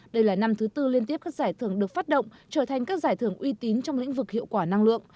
đây là năm thứ tư liên tiếp các giải thưởng được phát động trở thành các giải thưởng uy tín trong lĩnh vực hiệu quả năng lượng